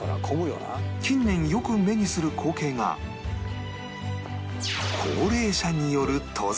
近年よく目にする光景が高齢者による登山